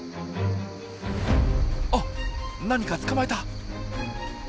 あっ何か捕まえた！